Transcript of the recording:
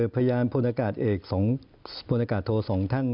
พยานพลนากาศเอกพลนากาศโท๒ทั้ง